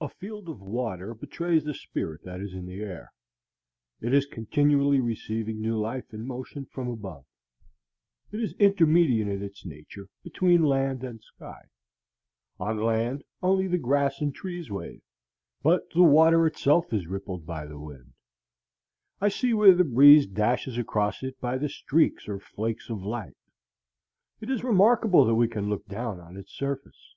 A field of water betrays the spirit that is in the air. It is continually receiving new life and motion from above. It is intermediate in its nature between land and sky. On land only the grass and trees wave, but the water itself is rippled by the wind. I see where the breeze dashes across it by the streaks or flakes of light. It is remarkable that we can look down on its surface.